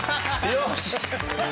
よし！